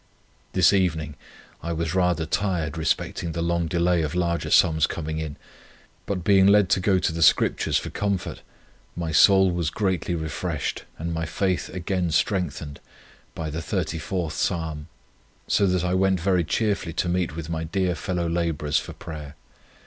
This evening I was rather tired respecting the long delay of larger sums coming; but being led to go to the Scriptures for comfort, my soul was greatly refreshed, and my faith again strengthened, by the xxxivth Psalm, so that I went very cheerfully to meet with my dear fellow labourers for prayer.